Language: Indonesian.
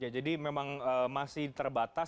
jadi memang masih terbatas